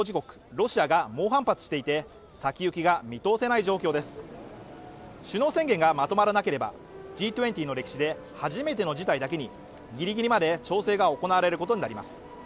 ロシアが猛反発していて先行きが見通せない状況です首脳宣言がまとまらなければＧ２０の歴史で初めての事態だけにぎりぎりまで調整が行われることになります